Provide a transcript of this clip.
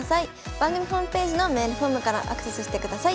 番組ホームページのメールフォームからアクセスしてください。